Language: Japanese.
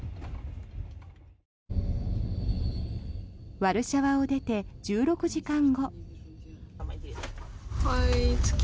ワルシャワを出て１６時間後。